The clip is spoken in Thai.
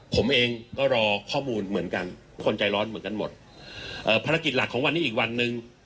ผมเองก็รอข้อมูลเหมือนกันคนใจร้อนเหมือนกันหมดเอ่อภารกิจหลักของวันนี้อีกวันหนึ่ง